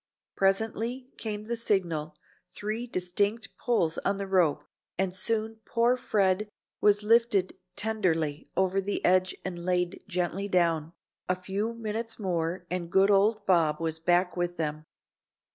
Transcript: Presently came the signal, three distinct pulls on the rope, and soon poor Fred was lifted tenderly over the edge and laid gently down. A few minutes more and good old Bob was back with them.